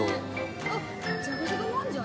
あっじゃがじゃがもあるじゃん。